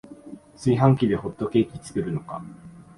炊飯器でホットケーキ作るのか